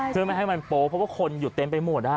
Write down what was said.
เพื่อไม่ให้มันโป๊เพราะว่าคนอยู่เต็มไปหมด